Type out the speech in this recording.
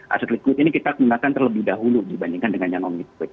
aset liquid ini kita gunakan terlebih dahulu dibandingkan dengan yang omik